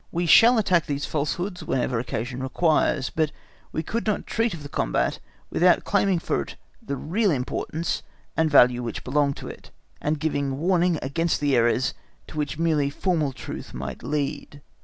We shall attack these falsehoods whenever occasion requires, but we could not treat of the combat without claiming for it the real importance and value which belong to it, and giving warning against the errors to which merely formal truth might lead.